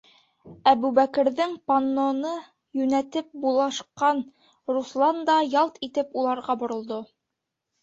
Әбүбәкерҙең панноны йүнәтеп булашҡан улы Руслан да ялт итеп уларға боролдо: